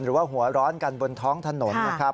หรือว่าหัวร้อนกันบนท้องถนนนะครับ